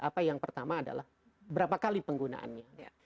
apa yang pertama adalah berapa kali penggunaannya